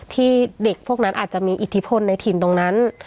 ที่เด็กพวกนั้นอาจจะมีอิทธิพลในถิ่นตรงนั้น